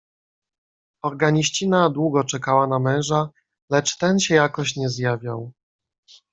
"Organiścina długo czekała na męża, lecz ten się jakoś nie zjawiał."